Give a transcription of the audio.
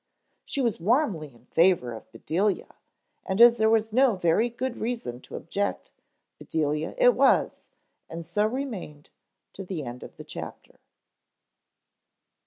She was warmly in favor of Bedelia, and as there was no very good reason to object, Bedelia it was and so remained to the end of the chapter.